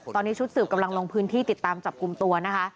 ตอนนี้ชุดสืบกำลังลงพื้นที่ติดตามจับกลุ่มตัวนะคะ